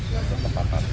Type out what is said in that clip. dan ke tempat tempat lain